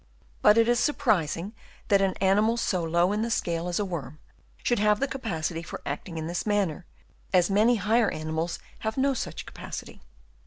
But it is surprising that an animal so low in the scale as a worm should have the capacity for acting in this manner, as many higher animals have no such capacity.